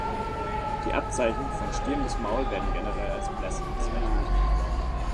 Die Abzeichen von Stirn bis Maul werden generell als Blesse bezeichnet.